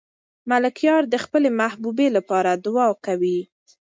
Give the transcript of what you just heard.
ملکیار د خپلې محبوبې لپاره دعا کوي.